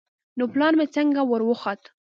نو پلار مې څنگه وروخوت.